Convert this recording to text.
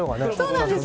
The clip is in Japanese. そうなんです。